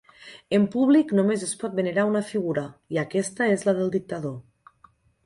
En públic només es pot venerar una figura, i aquesta és la del dictador.